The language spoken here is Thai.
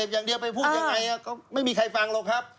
ยังไงก็ไม่มีใครฟังหรอกครับ